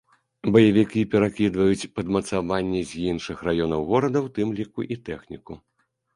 Баевікі перакідваюць падмацаванні з іншых раёнаў горада, у тым ліку і тэхніку.